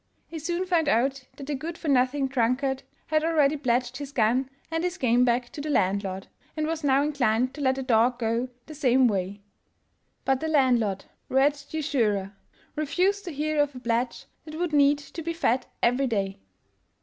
He soon found out that the good for nothing drunkard had already pledged his gun and his game bag to the landlord, and was now inclined to let the dog go the same way; but the landlord, wretched usurer! refused to hear of a pledge that would need to be fed every day.